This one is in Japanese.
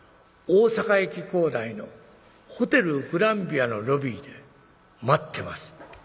大阪駅構内のホテルグランヴィアのロビーで待ってます』。